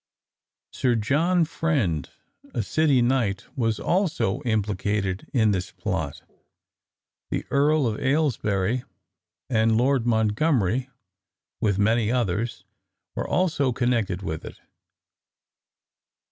Sir John Friend, a city knight, was also implicated in this plot. The Earl of Aylesbury and Lord Montgomery, with many others, were also connected with it.